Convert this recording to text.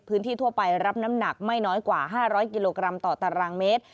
พื้นที่ทั่วไปรับน้ำหนักไม่น้อยกว่า๕๐๐กิโลกรัมต่อตารางเมตร